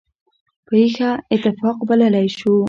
پېښه اتفاق بللی شو.